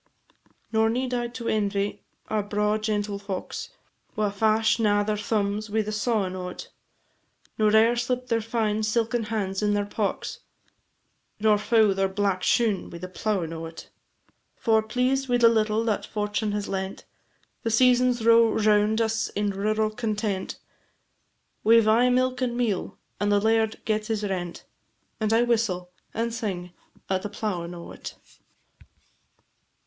Nor need I to envy our braw gentle focks, Wha fash na their thumbs wi' the sawing o't, Nor e'er slip their fine silken hands in the pocks, Nor foul their black shoon wi' the plowin' o't: For, pleased wi' the little that fortune has lent, The seasons row round us in rural content; We 've aye milk and meal, and our laird gets his rent, And I whistle and sing at the plowin' o't.